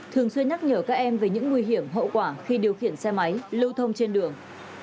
thường xuyên nhắc nhở các em về những nguy hiểm hậu quả khi điều khiển xe máy lưu thông trên đường